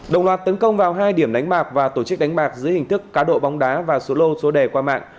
đồng loạt tấn công vào hai điểm đánh bạc và tổ chức đánh bạc dưới hình thức cá độ bóng đá và số lô số đề qua mạng